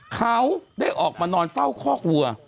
เขาได้ออกมานอนเฝ้าคอกวัว